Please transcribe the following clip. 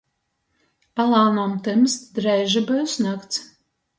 Palānom tymst, dreiži byus nakts.